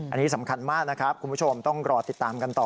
อันนี้สำคัญมากนะครับคุณผู้ชมต้องรอติดตามกันต่อ